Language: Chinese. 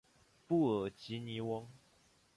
布尔吉尼翁。